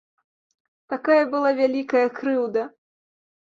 Такая была вялікая крыўда!